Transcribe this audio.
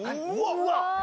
うわっ。